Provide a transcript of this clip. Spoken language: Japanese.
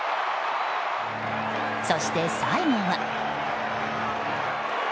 そして最後は。